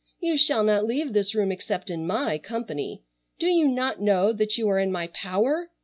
You shall not leave this room except in my company. Do you not know that you are in my power?